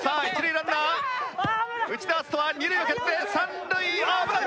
ランナー内田篤人は二塁を蹴って三塁危ない！